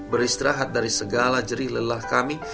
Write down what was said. beristirahat dari segala jerih lelah kami